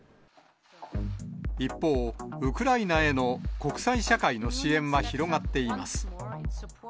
一方、ウクライナへの国際社会の支援は広がっています。